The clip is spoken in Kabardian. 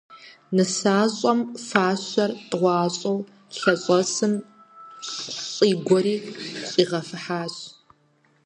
Нысащӏэм фэщӏэр тӏуащӏэу лъэщӏэсым щӏигуэри щӏигъэфыхьащ.